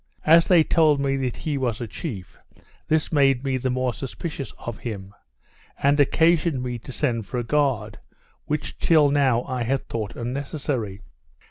As they told me that he was a chief, this made me the more suspicious of him, and occasioned me to send for a guard, which till now I had thought unnecessary.